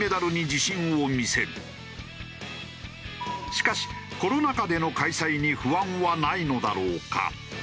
しかしコロナ禍での開催に不安はないのだろうか。